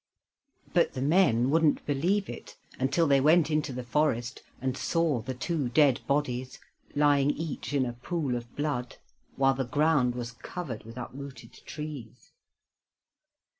But the men wouldn't believe it until they went into the forest and saw the two dead bodies, lying each in a pool of blood, while the ground was covered with uprooted trees.